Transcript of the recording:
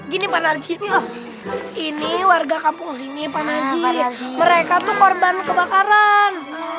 gini pak narji ini warga kampung sini pak naji mereka tuh korban kebakaran